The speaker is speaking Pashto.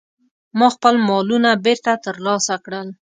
ما خپل مالونه بیرته ترلاسه کړل.